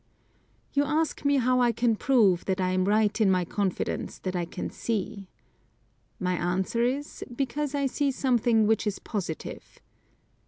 You ask me how I can prove, that I am right in my confidence that I can see. My answer is, because I see something which is positive.